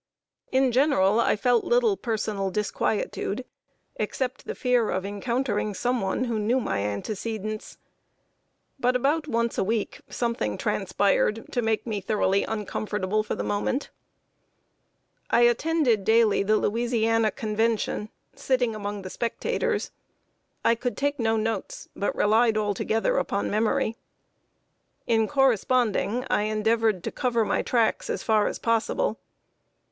In general, I felt little personal disquietude, except the fear of encountering some one who knew my antecedents; but about once a week something transpired to make me thoroughly uncomfortable for the moment. [Sidenote: PREPARING AND TRANSMITTING CORRESPONDENCE.] I attended daily the Louisiana Convention, sitting among the spectators. I could take no notes, but relied altogether upon memory. In corresponding, I endeavored to cover my tracks as far as possible.